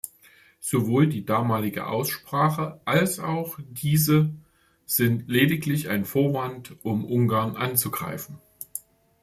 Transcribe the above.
Sowohl die damalige Aussprache als auch diese sind lediglich ein Vorwand, um Ungarn anzugreifen.